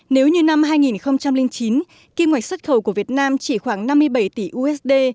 nếu như năm hai nghìn chín kim ngạch xuất khẩu của việt nam chỉ khoảng năm mươi bảy tỷ usd